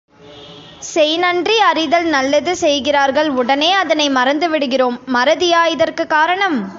செய் நன்றி அறிதல் நல்லது செய்கிறார்கள் உடனே அதனை மறந்துவிடுகிறோம் மறதியா இதற்குக் காரணம்?